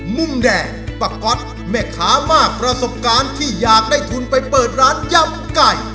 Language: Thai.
มุมแดงปะก๊อตแม่ค้ามากประสบการณ์ที่อยากได้ทุนไปเปิดร้านยำไก่